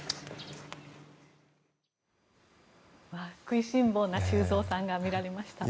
食いしん坊な修造さんが見られました。